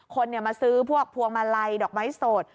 คนมาซื้อพวกพวงมาลัยดอกไม้สด